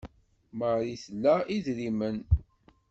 Marie tla idrimen.